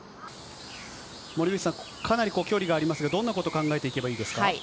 かなり距離がありますけど、どんなことを考えていけばいいですか？